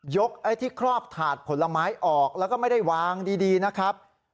ยกทราบทหารผลไม้ออกแล้วไม่ได้วางดีนะครับ